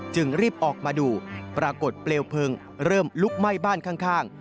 รีบออกมาดูปรากฏเปลวเพลิงเริ่มลุกไหม้บ้านข้าง